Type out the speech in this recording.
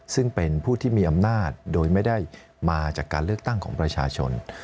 ซึ่งเป็นผู้ที่มีอำนาจโดยไม่ได้มาจากการเลือกตั้งของประชาชน